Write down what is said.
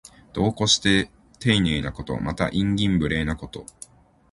度を越してていねいなこと。また、慇懃無礼なこと。